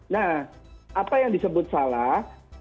nah apa yang disebut salah